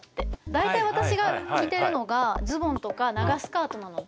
大体私が着てるのがズボンとか長スカートなので。